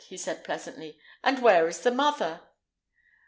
he said, pleasantly; "and where is the mother?"